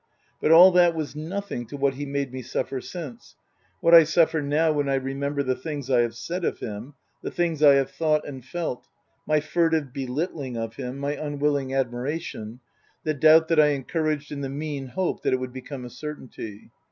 But all that was nothing to what he made me suffer since, what I suffer now when I remember the things I have said of him, the things I have thought and felt my furtive belittling of him, my unwilling admiration, the doubt that I encouraged in the mean hope that it would become a certainty.